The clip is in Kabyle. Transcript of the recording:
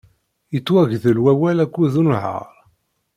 Yettwagdel wawal akked unehhaṛ.